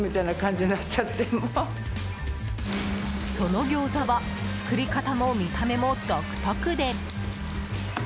その餃子は作り方も見た目も独特で。